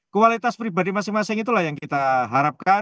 kualitas pribadi masing masing itulah yang kita harapkan